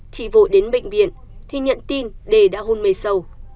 chị vội đến bệnh viện thì nhận tin đề đã hôn mê sâu